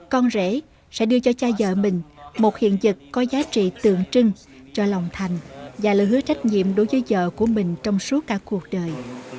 con rể sẽ đưa cho cha vợ mình một hiện vật có giá trị tượng trưng cho lòng thành và lời hứa trách nhiệm đối với vợ của mình trong suốt cả cuộc đời